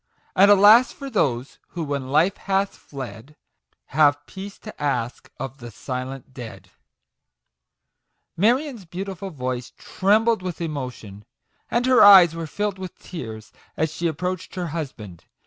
And, alas for those who, when Life hath fled, Have Peace to ask of the silent Dead !" Marion' s beautiful voice trembled with emo tion, and her eyes were filled with tears as she approached her husband.